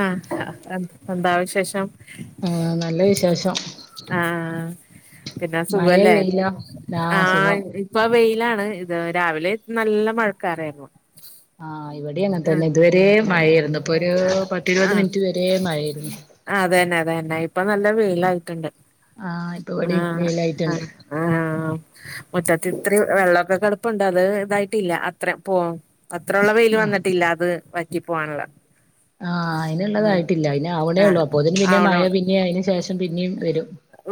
ആഹ് ഹ എന്താ വിശേഷം ആഹ് നല്ല വിശേഷം ആഹ പിന്നെ മഴ സുഖവല്ലേ വെയിലോ ആ ആഹ സുഖം ഇ പ്പൊ വെയിലാണ്. ഇത് രാവിലെ നല്ല മഴക്കാറായിരുന്നു ആഹ് ഇവടി അങ്ങൻ ആഹ് തന്നെ, ഇതുവരെ മഴയേര്ന്നു. ഇപ്പൊരു പത്ത് ഇരുപത് മിൻറ്റ് വരെ മഴയേര്ന്നു ആ അതന്നെ അതന്നെ ഇപ്പൊ നല്ല വെയിലായിട്ട്ണ്ട് ആഹ ഇപ്പവടിം വെയിലായിട്ട്ണ്ട് മുറ്റത്ത്ത്രി വെള്ളൊക്കെ കെടപ്പുണ്ട്. അത് ഇതായിട്ടില്ല, അത്ര പോവും അത്രുള്ള വെയില് ആഹ് വന്നിട്ടില്ല അത് വറ്റി പോവാന്ള്ളെ ആഹ് അയ്ന്ള്ളതായിട്ടില്ല, അയ്ന് ആവ്ണേ ആഹ് ഒള്ളൂ, അപ്പോത്തിന് പിന്നെ ആവണ മഴ പിന്നെ അയ്ന് ശേഷം പിന്നിം വരും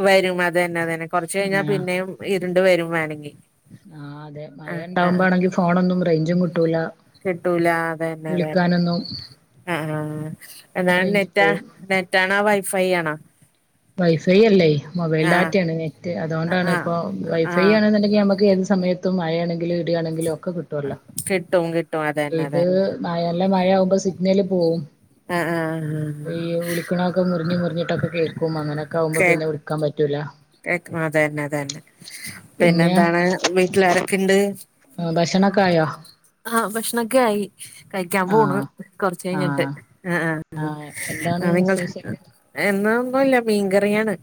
വരും അതന്നെ അതന്നെ കൊറച്ച് കഴിഞ്ഞാ ആഹ് പിന്നെയും ഇരുണ്ട് വരും വേണെങ്കി ആഹ് അതെ, ആഹ് ആഹ് മഴയ്ണ്ടാകുമ്പാണെങ്കി ഫോണൊന്നും റൈഞ്ചും കിട്ടൂല കിട്ടൂല, ആ അതന്നെ അതന്നെ വിളിക്കാനൊന്നും ആഹ് ഉള്ള എന്താണ്, റേഞ്ച് നെറ്റാ പോവും നെറ്റാണോ വൈഫൈ ആണോ വൈഫൈ അല്ലേയ് മൊബൈൽ ആഹ് ഡാറ്റയാണ് നെ - റ്റ് ആഹ് അതുകൊണ്ടാണ് പ്പൊ ആഹ് വൈഫൈ ആഹ് ആണെന്നുണ്ടെങ്കിൽ നമുക്ക് ഏത് സമയത്തും മഴയാണെങ്കില് ട്ട് ആണെങ്കിലും ഒക്കെ കിട്ടോല്ലോ കിട്ടും കിട്ടും അതന്നെ ഇത് അതന്നെ മഴോൽള്ള മഴയാവുമ്പോ സിഗ്നല് പോവും ആ ആഹ് ക്ക്ണോക്കെ മുറിഞ്ഞ് മുറിഞ്ഞിട്ടൊക്കെ കേക്കും. അങ്ങനൊക്കാവുമ്പോ പിന്നെ കേക്കും വിളിക്കാൻ പറ്റൂല്ലാ കേക്കും അതന്നെ അതന്നെ പിന്നെ പിന്നെന്താണ് വീട്ടിലാരൊക്കെണ്ട് [unintelligible] ആഹ് ഭക്ഷണൊക്കെ ആയി കയിക്ക്യാൻ പോണ്, ആഹ് കൊർച്ചയ്ഞ്ഞിട്ട് ആഹ് ആഹ് ആഹ് എന്താണ് ആഹ് നിങ്ങൾത് സ്പെഷ്യല് ഏ ഇന്നൊന്നും ഇല്ല മീൻകറി ആണ്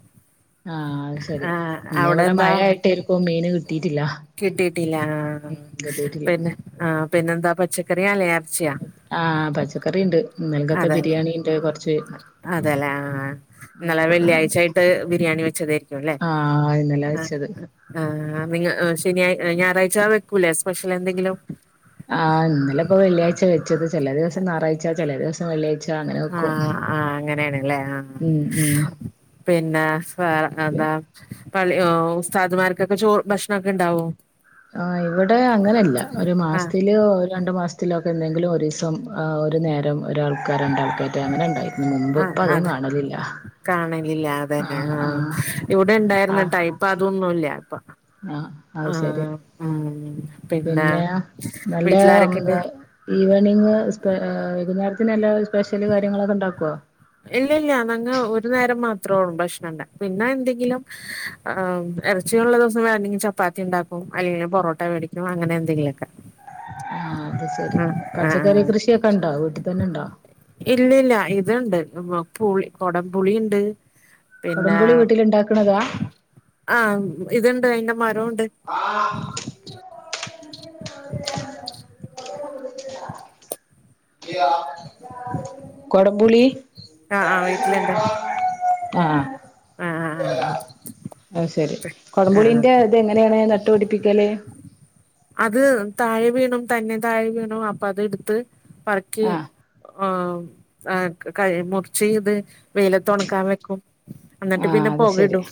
ആഹ് അത് ശെരി ഇന്ന് വടെ മഴായിട്ടേര്ക്കും, മീന് കിട്ടിട്ട്ല്ല കിട്ടിട്ടില്ല ഇല്ല. ആഹ് പിന്നെ ആഹ് പിന്നെന്താ പച്ചക്കറി അല്ല എർച്ചിയാ ആഹ് പച്ചക്കറിഇണ്ട് ഇന്നൽകത്തെ ബിരിയാണിഇണ്ട് കൊർച്ച് അതേലേ ആഹ് ന്നലെ പോണുണ്ട് വെള്ളിയാഴ്ചായിട്ട് ബിരിയാണി വെച്ചതേയ്രിക്കും അല്ലേ ആഹ് ഇന്നലെ അഹ് വെച്ചത് ആഹ് ആഹ് പിന്നെ ശ ഞായറാഴ്ച വെക്കൂല്ലേ സ്പെഷ്യലെന്തെങ്കിലും ആഹ് ഇന്നലെ ഇപ്പോ വെള്ളിയാഴ്ച വെച്ചത് ചെല ദിവസം ഞായറാഴ്ച ചെല ദിവസം വെള്ളിയാഴ്ച. അങ്ങനെ വെക്കും ആഹ് ആഹ് അങ്ങനെയാണ് ലെ ആഹ് ഉം ഉം പിന്നെ വേറെ അ താ? പള്ളി ആഹ് ഉസ്താദമാർക്ക് ഓക്കെ ചോറ് ഭക്ഷണം ഓക്കെ ഇണ്ടാവോ? ആഹ് ഇവിടെ അങ്ങനെ അല്ല ഒര് ആഹ് മാസത്തില് രണ്ട് മാസ ത്തിലൊക്കെ എന്തെങ്കിലും ഒരീസം ഒര് നേരം ഒരാള് ആൾക്കാരോ രണ്ട് ആൾക്കോ അങ്ങനെ ഇണ്ടായി മുമ്പ് ആഹ് ഇപ്പൊ അതും അതെ കാണാലില്ല. കാണലില്ല അതന്നെ ആഹ് ഇവടെ ആഹ് ഇണ്ടായിര്ന്നട്ടാ ഇപ്പൊ അതൊന്നും ഇല്ല ഇപ്പാ. ആഹ് അത് ശെരി പിന്നെ നല്ല ഓ വീട്ടിലാരൊക്കെണ്ട്? ആഹ് ഈവനിങ്ങ് സ്പെ വൈക്ന്നേരത്തിന് വല്ലോ സ്പെഷ്യല് കാര്യങ്ങളൊക്കെ ഇണ്ടാക്കുവോ? ഇല്ല ഇല്ല അതങ്ങ ഒര് നേരം മാത്ര ഒള്ളൂ ഭക്ഷണം ഒണ്ട് പിന്നെ എന്തെങ്കിലും ആഹ് എറച്ചിയോള്ള ദെവസം വേണങ്കി ചപ്പാത്തി ഇണ്ടാക്കും അല്ലെങ്കി പൊറോട്ട മേടിക്കും അങ്ങനെ എന്തെങ്കിലും ഒക്കെ. ആഹ് അത് ശെരി ആഹ് പച്ചക്കറി കൃഷിയൊക്കെ ഇണ്ടോ വീട്ടി തന്നെ ഇണ്ടോ? ഇല്ല ഇല്ല ഇത് ഇണ്ട് പുളി കൊടം പുളി ഇണ്ട്. കൊടം പുളി വീട്ടില് ഇണ്ടാക്ക്ണതാ? ആഹ് ഇത് ഇണ്ട് അയിന്റെ മരം ഒണ്ട്. കൊടം പുളീ ആഹ് ആഹ് വീട്ടിലുണ്ട് ആഹ് ആഹ് ആഹ് ആഹ് അയ് ശെരി കൊടം ആഹ് ആഹ് പുളിന്റെ ഇത് എങ്ങനെയാണ് നട്ട് പഠിപ്പിക്കല്? അത് താഴെ വീണും തന്നെ താഴെ വീണും അപ്പൊ അത് എട്ത്ത് പറക്കി ആഹ് ആഹ് ആഹ് കയ് മുറിച്ച് ഇത് വെയിലത്ത് ഒണക്കാൻ വെക്കും. എന്നിട്ട് ആഹ് പിന്നെ അത് ശെരി പൊകയിടും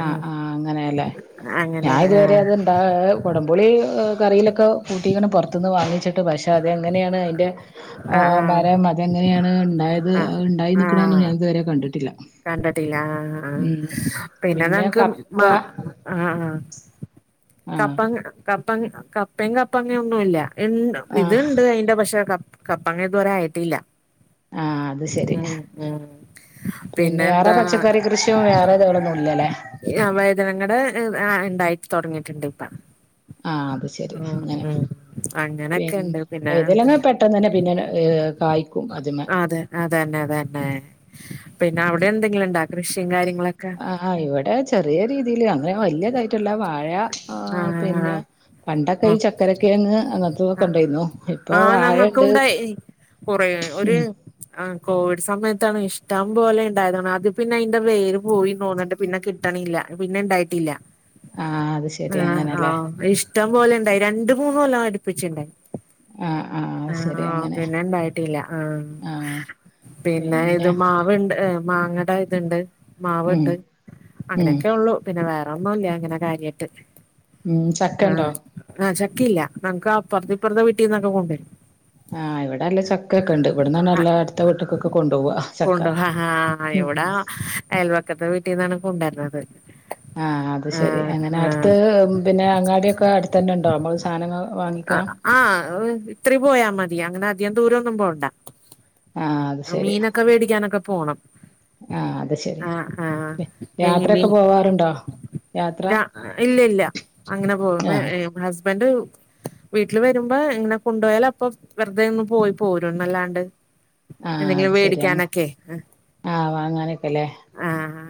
ആഹ് ആഹ് അങ്ങനെയല്ലേ ഞാൻ അങ്ങനെയാണ് ഇത് വരെ ആഹ് അത് കൊടം പുളി കറിലൊക്കെ കൂട്ടിക്കണ് പൊറത്ത്ന്ന് വാങ്ങിച്ചിട്ട് പക്ഷെ അത് എങ്ങനെയാണ് അയിൻ്റെ ആഹ് മരം അത് എങ്ങനെയാണ് ഇണ്ടായത് ആഹ് ഇണ്ടായി നിക്കേണോന്ന് ആഹ് ഞാൻ ഇത് വെരെ കണ്ടിട്ടില്ല. കണ്ടിട്ടില്ല ആഹ് ആഹ് ഉം പിന്നെ നിങ്ങക്ക് മാ ആഹ് ആഹ് ആഹ് കപ്പങ്ങ കപ്പങ്ങ കപ്പയും കപ്പങ്ങ ഒന്നും ഇല്ല എൻ ഇത് ആഹ് ഇണ്ട് അയിന്റെ പശേ ക കപ്പങ്ങ ഇത് വരെ ആയിട്ടില്ലാ. ആഹ് അത് ശരി ഉം ഉം. പിന്നെ വേറെ പിന്നെന്താ പച്ചക്കറി കൃഷിയോ വേറെ ഇതേപോലെ ഒന്നും ഇല്ല അല്ലേ? ആഹ് വഴ്തനങ്ങയുടെ ഈഹ് ആഹ് ഇണ്ടായിട്ട് തൊടങ്ങീട്ടിണ്ട് ഇപ്പാ. ആഹ് അത് ശെരി അങ്ങനെ അങ്ങനൊക്കെ പിന്ന ഉണ്ട് പിന്നെ വൈതാലങ്ങാ പെ ട്ടെന്ന് അന്നെ പിന്നെ അയ് കായ്ക്കും ആദ്യമേ. അതെ അതന്നെ അതന്നെ പിന്നെ അവടെ എന്തെങ്കിലും ഇണ്ടാ കൃഷിയും കാര്യങ്ങളൊക്കെ? ആഹ് ഇവിടെ ചെറിയ രീതീല് അങ്ങനെ വലിയതായിട്ടല്ലാ വാഴ ആഹ്. പണ്ടൊക്കൈ ചക്കരക്കിഴങ്ങ് അങ്ങനത്തൊക്കെ ആഹ് ഇണ്ടായിരുന്നു ഇപ്പൊ വാഴ ഇണ്ട് കുറെ ഒര് ആഹ് കോവിഡ് സമയത്താണ് ഇഷ്ടം പോലെ ഇണ്ടായതാണ് അത് പിന്നെ അയിന്റെ വേര് പോയി തോന്നിണ്ട്. പിന്നെ കിട്ടണില്ല പിന്നെ ഇണ്ടായിട്ടില്ല. ആഹ് അത് ശരി ആഹ് അങ്ങനെല്ലേ ആഹ് ഇഷ്ടം പോലെ ഇണ്ടായി രണ്ട് മൂന്ന് കൊല്ലം അടിപ്പിച്ചിണ്ടായി. ആഹ്. ശരി ആഹ് അങ്ങനെ പിന്നെ ഇണ്ടായിട്ടില്ല ആഹ്. ആഹ് പിന്നെ ഇത് മാവ്ണ്ട് ഏ മാങ്ങ ഇത്ണ്ട് ഉം മാവ്ണ്ട് ഉം അങ്ങനെയൊക്കെ ഒള്ളു പിന്നെ വേറൊന്നുല്ല അങ്ങനെ കാര്യായിട്ട് ഉം ചക്കണ്ടോ ആഹ് ആഹ് ചക്കയില്ല നമുക്ക് അപ്പറ്ത്ത് ഇപ്പറത്തെ വീട്ടീന്നൊക്കെ കൊണ്ടരും ആഹ് ഇവിടെ നല്ല ചക്കക്കെ ഇണ്ട് ഇവിട്ന്നാണ് ആഹ് എല്ലാ അട്ത്ത വീട്ട്ക്കൊക്കെ കൊണ്ടോവ ചക്ക ആഹ് ഉം ഇവിടെ ക്കത്തെ വീട്ടീന്നാണ് കൊണ്ടര്ന്നത് ആഹ് അത് ശെരി അങ്ങനെ അട്ത്ത് പിന്നെ അങ്ങാടിയൊക്കെ അട്ത്തെന്നെ ഇണ്ടോ നമ്മക്ക് സാനങ്ങൾ വാങ്ങിക്കാ ആഹ് ആഹ് ഇത്തിരി പോയാ മതി അങ്ങനെ അധികം ദൂരൊന്നും പോണ്ട ആഹ് അത് ശരി മീനൊക്കെ വേടിക്കാനൊക്കെ പോണം ആഹ് അത് ശരി ആഹ് ആഹ് നെയ് യാത്രയൊക്കെ മീൻ പോവാറുണ്ടോ യാത്ര രാ ഇല്ല ഇല്ല അങ്ങനെ പോവ് ആഹ് ഏ ഹസ്ബൻഡ് വീട്ടില് വരുമ്പോ ഇങ്ങനെ കൊണ്ടോയാല് അപ്പം വെറ്തെ ഒന്ന് പോയി പോരുന്നല്ലാണ്ട് ആഹ് എന്തെങ്കിലും അത് ശരിയാ വേടിക്കാനൊക്കെ ആഹ് വാങ്ങാനൊക്കെല്ലേ ആഹ്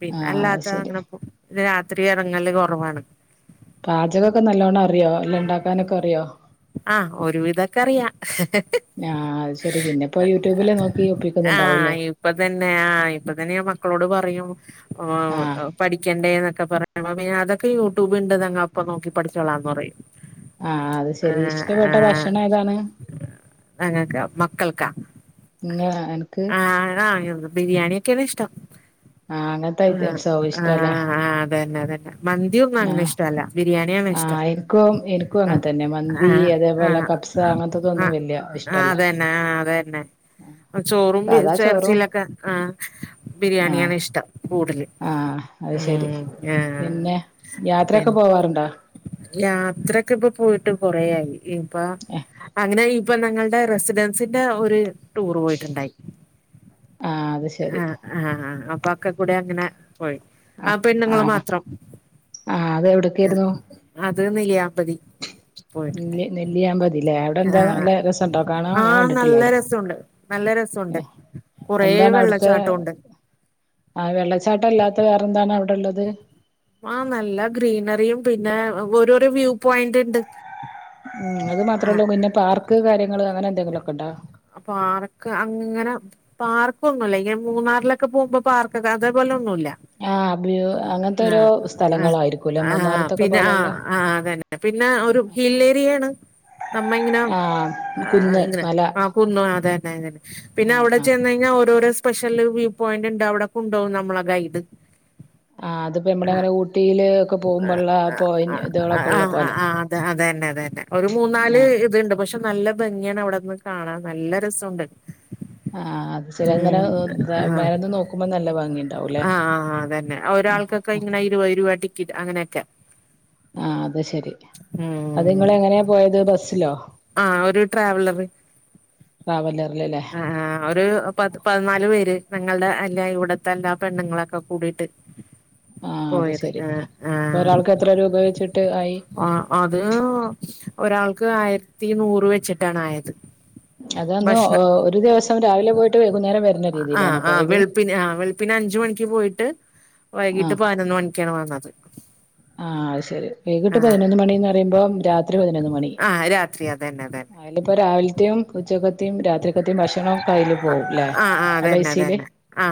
പിന്നെ ആഹ് അത് അല്ലാത്ത ശരി അങ്ങനെ പോ പിന്നെ രാത്രി എറങ്ങല് കൊറവാണ് പാചകൊക്കെ നല്ലോണ്ണം അറിയോ എല്ലും ഇണ്ടാക്കാനൊക്കെ അറിയോ ആഹ് ഒര് വിധോക്കെ അറിയാ ആഹ് അത് ശരി പിന്നെ ഇപ്പോ യൂട്യൂബില് നോക്കി ഒപ്പിക്ക്ന്ന്ണ്ടാവൂലേ ഇപ്പത്തെന്നെ ആഹ് ഇപ്പത്തെന്നെ ഞാൻ മക്കളോട് പറയും ആഹ് പഠിക്കേണ്ടേന്നൊക്കെ പറയുമ്പം അതൊക്കെ യൂട്യൂബ് ഇണ്ട് ഞങ്ങ അപ്പം നോക്കി പഠിച്ചോളാംന്ന് പറയും ആഹ് അത് ശെരി ഇഷ്ടപ്പെട്ട ഭക്ഷണം ഏതാണ് ഞങ്ങക്കാ മക്കൾക്കാ ഇങ്ങ അനക്ക് ആഹ് [unintelligible] ബിരിയാണിയൊക്കെ ആണ് ഇഷ്ട്ടം ആഹ് അങ്ങനത്തെ ഏ ആഹ് ഐറ്റംസോ ഇഷ്ടല്ലേ ആഹ് അതന്നെ അതന്നെ മന്തിയൊന്നും അങ്ങനെ ഇഷ്ടം അല്ല ബിരിയാണ്യാണ് ഇഷ്ടം ന്ക്കും എനിക്കും ആഹ് അങ്ങനെത്തെന്നെ മന്തി ആഹ് അതേപോലെ ആഹ് കപ്സ ആഹ് അങ്ങനത്തതൊന്നും ആഹ് വല്യ ഇഷ്ട്ടല്ല അതന്നെ ആഹ് അതന്നെ ചോറും സാദാ [unintelligible] ചോറും എറച്ചീലൊക്കെ ഏ ആഹ് ബിരിയാണിയാണ് ഇഷ്ട്ടം കൂടല് ആഹ് അത് ശരി ഉം ആഹ് പിന്നെ യാത്രയൊക്കെ പിന് പോവാറുണ്ടോ യാത്രയൊക്കെ ഇപ്പൊ പോയിട്ട് കൊറയായി ഇപ്പ അങ്ങനെ ഇപ്പം ഞങ്ങള്ടെ റെസിഡൻസിന്റെ ഒരു ടൂർ പോയിട്ടുണ്ടായി ആഹ് അത് ശരി ആഹ് ആഹ് അപ്പൊ അതൊക്കെ കൂടെ അങ്ങനെ പോയി ആഹ് പെണ്ണുങ്ങള് മാത്രം ആഹ് അത് എവിടക്കായിരുന്നു അത് നെല്ലിയാമ്പതി പോയിട്ടുണ്ട് നെല്ലി നെല്ലിയാമ്പതി തിലേ അവിടെ എന്താ ആഹ് നല്ല രസണ്ടോ കാണാൻ ഞാൻ ആഹ് കണ്ടിട്ടില്ല നല്ല അവടെ രസമുണ്ട് നല്ല രസമുണ്ട് ഏ കൊറേ എന്താണ് അവിടുത്തെ വെള്ളച്ചാട്ടമുണ്ട് ആഹ് വെള്ളച്ചാട്ടല്ലാത്ത വേറെന്താണ് അവിടെള്ളത് ആഹ് നല്ല ഗ്രീനറിയും പിന്നെ ഓരോരോ വ്യൂ പോയിന്റ്ണ്ട് ഉം അത് മാത്രേള്ളൂ പിന്നെ പാർക്ക് കാര്യങ്ങള് അങ്ങനെ എന്തെങ്കിലൊക്കെ ഇണ്ടോ പാർക്ക് അങ്ങനെ പാർക്കൊന്നുല്ല ഇങ്ങനെ മൂന്നാറിലൊക്കെ പോവ്മ്പോ പാർക്കൊക്കെ അതേപോലെ ഒന്നുല്ല ആ വ്യൂ അങ്ങനത്തെ ഓരോ ആഹ് സ്ഥലങ്ങളായിരിക്കുംല്ലേ ആഹ് ആഹ് മൂന്നാറത്തൊക്കെ പിന്നെ പോലെയുള്ള ആഹ് ആഹ് അതെ പിന്നെ ഒരു ഹിൽ ഏരിയയാണ് നമ്മ ഇങ്ങനെ ആ ഏ കുന്ന് ഇങ്ങനെ മല [unintelligible] ആഹ് കുന്നും അതന്നെ അതന്നെ പിന്നെ ആ അവടെ ആ ചെന്നഴിഞ്ഞാ ഓരോരോ സ് സ്പെഷ്യല് വ്യൂ പോയിന്റ്ണ്ട് അവിടെ കൊണ്ടോവും നമ്മളെ ഗൈഡ് ആ അതിപ്പോ നമ്മള ആഹ് അങ്ങനെ ഊട്ടിയില് ഒക്കെ ആഹ് പോകുമ്പോള്ള പോയി ആഹ് ആഹ് ഇതകളൊക്കെ ഉള്ള ആഹ് പോലെ ആഹ് അത് അതന്നെ അതന്നെ ഒരു മൂന്ന് നാല് ആ ഇത്ണ്ട് പക്ഷെ നല്ല ഭംഗിയാണ് അവിടെന്ന് കാണാൻ നല്ല രസമുണ്ട് ആഹ് അത് ചരിങ്ങനെ ഉം ആഹ് മേലെന്ന് നോക്കുമ്പോ നല്ല ഭാംഗിണ്ടാവുംല്ലേ ഉങ്ങനെ ഇരുപത് രൂപ ടിക്കറ്റ് അങ്ങനെയൊക്കെ ആഹ് അത്ശരി അത് ഉം നിങ്ങള് എങ്ങനെയാ പോയത് ബസ്സിലോ ആഹ് ഒരു ട്രാവലറ് ട്രാവലറ്ല് അല്ലേ ആഹ് ആഹ് ഒരു പ പതിനാല് പേര് ഞങ്ങളുടെ അല്ല ഇവിടത്തെ എല്ലാ പെണ്ണുങ്ങളൊക്കെ കൂടിട്ട് ആഹ് അത് പോയത് ശരി ആഹ് അപ്പൊ ആഹ് ഒരാൾക്ക് എത്ര രൂപ വെച്ചിട്ട് ആയി ആഹ് അത് ഒരാൾക്ക് ആയിരത്തി നൂറ് വെച്ചിട്ടാണ് ആയത് അതന്ന് ഭക്ഷണം ഒരു ദിവസം രാവിലെ പോയിട്ട് വൈകുന്നേരം വരുന്ന രീതിയിലാണോ പോയത് പിന്നെ ആഹ് വെളുപ്പിന് അഞ്ച് മണിക്ക് പോയിട്ട് വൈകീട്ട് ആഹ് പതിനൊന്ന് മണിക്കാണ് വന്നത് ആഹ് അത്ശരി വൈകിട്ട് ആ പതിനൊന്ന് മണിന്ന് പറയുമ്പോം രാത്രി പതിനൊന്ന് മണി ആഹ് രാത്രി അതന്നെ അതന്നെ അതിലിപ്പ രാവിലത്തെയും ഉച്ചക്കത്തെയും രാത്രി ക്കത്തി ഭക്ഷണൊക്കയ്ല് ആ പോവുംല്ലേ ആ അതന്നെ പൈസയില് അതന്നെ ആ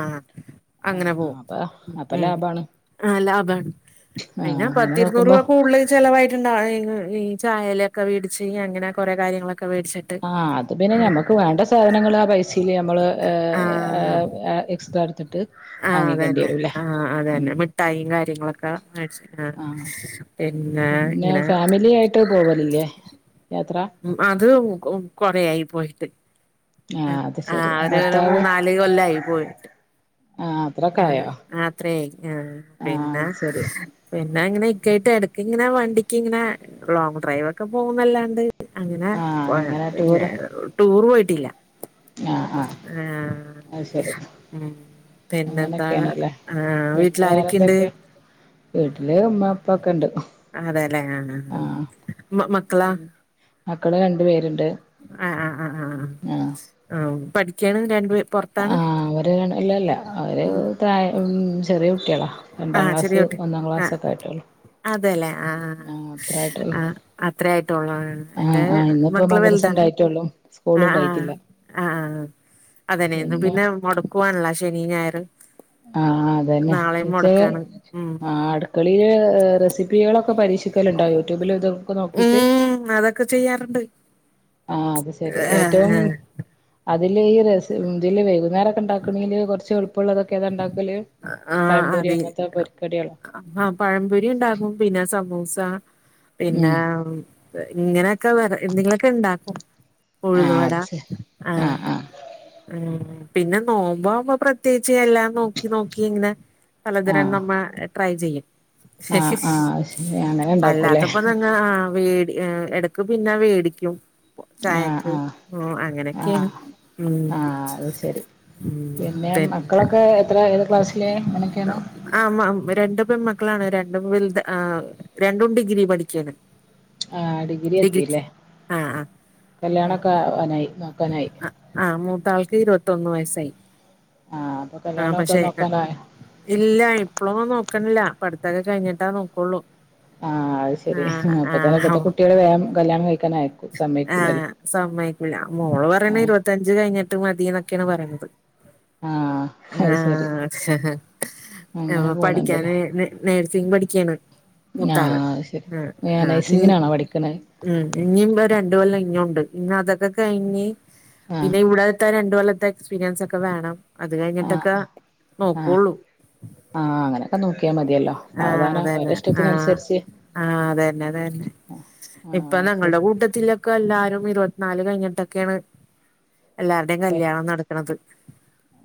ആഹ് ആഹ് അപ്പം അപ്പൊ ലാഭാണ് ആഹ് ലാഭമാണ് ആഹ് അയിന് അങ്ങനെ പത്തിരുന്നൂറ് നോക്കുമ്പോ രൂപ കൂടുതല് ചെലവായിട്ട്ണ്ടാവും ഈ ചായലൊക്കെ വേടിച്ച് അങ്ങനെ കൊറേ കാര്യങ്ങളൊക്കെ മേടിച്ച് ആഹ് അത് പിന്നെ ഞമ്മക്ക് വേണ്ട സാധനങ്ങള് ആ പൈസേൽ നമ്മള് ആ ഏഹ് എക്സ് ട്രാ എടുത്തിട്ട് ആഹ് വാങ്ങിക്കേണ്ടി അതന്നെ വരൂല്ലേ ആഹ് ഉം അതന്നെ മിഠായിയും കാര്യങ്ങളൊക്കെ മേടിച്ചു ആഹ് പിന്നെ ഫാമിലി ആയിട്ട് പോവലില്ലേ യാത്ര ഉം അത് കൊറെയായി പോയിട്ട് ആഹ് അത് ആ ശരി ഒരു ഒരു ഭർത്താവ് മൂന്നാല് കൊല്ലായി പോയിട്ട് ആഹ് അത്രൊക്കെ അങ്ങനെ ആയോ അത്രയായി ആ ആഹ് പിന്നെ അത് ശരി പിന്നെ ഇങ്ങനെ ഇക്കായിട്ട് എടക്ക് ഇങ്ങനെ വണ്ടിക്ക് ഇങ്ങനെ ലോങ്ങ് ഡ്രൈവൊക്കെ പോകുന്നല്ലാണ്ട് അങ്ങനെ ആഹ് ഇങ്ങനെ ടൂറ് ടൂർ പോയിട്ടില്ല ആഹ് ആഹ് ആഹ് അത്ശരി പിന്നെന്താണ് അങ്ങനെയൊക്കെയാണല്ലേ ആ പിന്നെ വീട്ടിലാരൊക്കെയുണ്ട് വേറെന്തൊക്കെ വീട്ടില് ഇമ്മ ഇപ്പ ഒക്കെ ഉണ്ട് അതെല്ലെ ആഹ് ആഹ് ആഹ് മ മക്കളാ പിന്നെ മക്കള് രണ്ടു പേരുണ്ട് ആഹ് ആഹ് ആഹ് ആഹ് ആഹ് പഠിക്കയാണ് രണ്ട് പേരും ആഹ് അവര് ഇല്ലല്ല അവര് ഉം താഴെ ചെറിയ കുട്ടികളാ ആ രണ്ടാം ചെറിയ ക്ലാസ് കുട്ടി ഒന്നാം ആ ക്ലാസ് ഒക്കെ ആയിട്ടോള്ളൂ അതെല്ലേ ആഹ് ആഹ് അത്രയായിട്ടൊള്ളു എന്റെ മക്കള് വലുതാണ് റ്റുള്ളു ആഹ് സ്കൂളുണ്ടായിട്ടില്ല ആഹ് ആഹ് അതന്നെ ഇന്ന് പിന്നെ മുടക്കും ആണല്ല ശനി ഞായറും ആഹ് അതന്നെ പക്ഷെ ഉം ആട് ളിയിൽ റെസിപ്പികളൊക്കെ പരീക്ഷിക്കലുണ്ടോ യൂട്യൂബിൽ ഇതൊക്കെ നിരക്ക് നോക്കിയിട്ട് ഉം അതൊക്കെ ചെയ്യാറുണ്ട് ആഹ അത് ശെരി ഏറ്റവും ആഹ് അതില് ഈ രം ഇതില് വൈകുന്നേരംക്കെ ഉണ്ടാക്കണെങ്കില് കുറച്ച് എളുപ്പമുള്ളള്ളതൊക്കെ താ ഉണ്ടാക്കല് ആഹ് പഴംപൊരി അതെ അങ്ങനത്തെ പൊരിക്കടികളോ ആഹ് പഴംപൊരി ഉണ്ടാകും പിന്നെ സമൂസ പിന്നെ ഉം ഇങ്ങനെയൊക്കെ വ എന്തെങ്കിലുമൊക്കെ ഉണ്ടാക്കും ആഹ് ഉഴുന്നവട അത് ശരി ആഹ ആഹ് ആഹ് ഉം പിന്നെ നോമ്പാവുമ്പോ പ്രത്യേകിച്ച് എല്ലാം നോക്കി നോക്കി ഇങ്ങനെ പലതരം ആഹ് നമ്മ ട്രൈ ചെയ്യും ആഹ് ആഹ് ശരി അങ്ങനെ ഉണ്ടാക്കൂലേ അല്ലാത്തപ്പോ നിങ്ങ വീട് ഏഹ് ഇടക്ക് പിന്നെ വേടിക്കും ആഹ് ചായക്ക് ആഹ് അങ്ങനെയൊക്കെയ ആഹ് ഉം ആഹ് അത് ശരി പിന്നെ മക്കളൊക്കെ എത്ര ഏത് ക്ലാസ്സില എങ്ങനെയൊക്കെയാണ് ആഹ് രണ്ടു പെൺമക്കളാണ് രണ്ടും രണ്ടും ഡിഗ്രി പഠിക്കയാണ് ആഹ് ഡിഗ്രി എത്തില്ലേ ആ ആ കല്യാണംക്കെ ആവാനായി നോക്കാനായി ആഹ് മൂത്താൾക്ക് ഇരുപത്തൊന്ന് വയസായി ആഹ് അപ്പൊ ആ കല്യാണൊക്കെ പക്ഷെ നോക്കാനായി ഇല്ല ഇപ്പോഴൊന്ന നോക്കണില്ല പടുത്തൊക്കെ കഴിഞ്ഞിട്ട നോക്കുള്ളൂ ആഹ് അത് ശരി ആ അപ്പൊ ആ ത ഇപ്പത്തെ കുട്ടികള് വേം കല്യാണം കഴിക്കാനായി ആഹ സമ്മയിക്കില്ല മോള് പറയണ ആഹ് ഇരുപത്തയഞ്ച് കഴിഞ്ഞിട്ട് മതി എന്നൊക്കെയാണ് പറയണത് ആഹ് അത് ശെരി ആഹ് അങ്ങനെ പോണണ്ടല്ലേ പഠിക്കാന് നേഴ്സിങ് പഠിക്കയാണ് മൂത്ത ആഹ് ആള് അത് ശെരി ആഹ് ആഹ് നൈസിങ്ങിനാണോ പഠിക്കണെ ഉം ഇനി രണ്ട കൊല്ലം ഇഞ്ഞുണ്ട് ഇഞ് അതൊക്കെ കഴിഞ്ഞ് ആഹ് പിന്നെ ഇവിടെ രണ്ടു കൊല്ലത്തെ എക്സ്പീരിയൻസ് ഒക്കെ വേണം അത് ആഹ് കഴിഞ്ഞിട്ടൊക്കെ ആഹ് ആഹ് നോക്കുള്ളൂ ആഹ് അങ്ങനൊക്കെ നോക്കിയാൽ മതിയല്ലോ സാവധാന ഒ ഇഷ്ടത്തിനനുസരിച്ച് ആഹ അതന്നെ അതന്നെ ഇപ്പൊ ആഹ് ശെരി ഞങ്ങളുടെ കൂട്ടത്തിലൊക്കെ എല്ലാവാരും ഇരുപത്തിനാല് കഴിഞ്ഞിട്ടൊക്കെയാണ് എല്ലരുടെയും കല്യാണം നടക്കണത്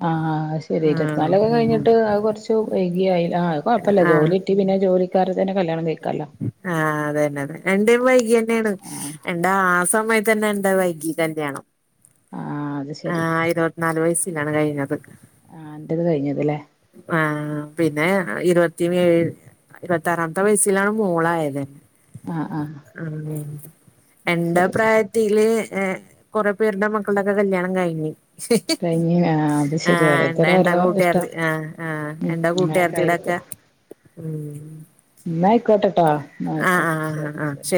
ആഹ് ശരി ആഹ് ഇരുത്തിനാലൊക്കെ ഉം കഴിഞ്ഞിട്ട് അത് കുറച്ച് വൈകിയ ആ കുഴപ്പമില്ല ആഹ് ജോലി കിട്ടി പിന്ന ജോലിക്കാരെ തന്നെ കല്യാണം കഴിക്കല്ലോ ആഹ് അതന്നെ അതെ എന്റെ വൈകി തന്നെയാണ് ആഹ് എന്താ ആ സമയത്ത് തന്നെ എന്താ വൈകീ കല്യാണം ആഹ് അത് ശരി ആഹ് ഇരുപത്തിനാല വയസ്സിലാണ് കഴിഞ്ഞത് ആഹ് ആന്റത് കഴിഞ്ഞതലേ ആഹ് പിന്നെ ഇരുപത്തി ഏഴ് ഇരുപത്തിറാമത്തെ വയസ്സിലാണ് മോള ആയത് ആഹ് ആഹ് ആഹ് അത് എന്റെ ശരി അഭിപ്രായ ത്തില് കൊറെ പേരുടെ മക്കളുടെക്കെ കല്യാണം കഴിഞ്ഞു കയിഞ് ആഹ് അത് ശരി ഓരോരുത്തരെ ഓരോ ഇഷ്ട ആഹ ആഹ എന്താ കൂട്ടുകാർത്തിടൊക്കെ ഉം ന്നാ ആയിക്കോട്ടെട്ടാ ആഹ് ആയിക്കോട്ടെ ആഹ് ആഹ് ശരി ആഹ് ശരി